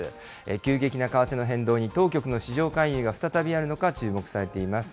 急激な為替の変動に当局の市場介入が再びあるのか注目されています。